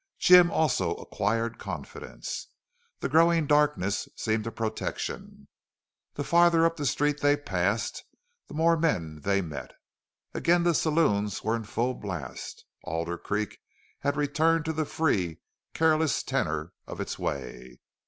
Jim also acquired confidence. The growing darkness seemed a protection. The farther up the street they passed, the more men they met. Again the saloons were in full blast. Alder Creek had returned to the free, careless tenor of its way.